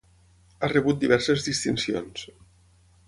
Ha rebut diverses distincions.